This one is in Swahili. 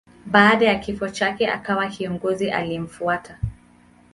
Baada ya kifo chake akawa kiongozi aliyemfuata.